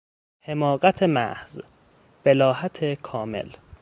حماقت محض، بلاهت کامل